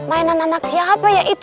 mainan anak siapa ya itu